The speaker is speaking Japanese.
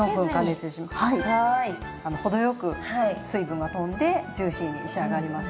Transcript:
程よく水分がとんでジューシーに仕上がりますね。